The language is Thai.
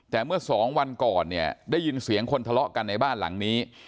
แต่เมื่อสองวันก่อนเนี่ยได้ยินเสียงคนทะเลาะกันในบ้านหลังนี้